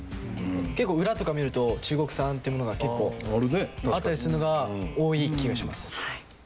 結構裏とか見ると中国産ってものが結構あったりするのが多い気がします。